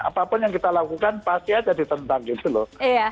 apapun yang kita lakukan pasti aja ditentang gitu loh